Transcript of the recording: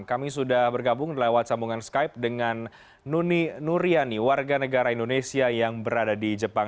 kami sudah bergabung lewat sambungan skype dengan nuni nuriani warga negara indonesia yang berada di jepang